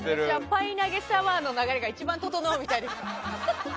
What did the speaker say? パイ投げ、シャワーの流れが一番整うみたいです。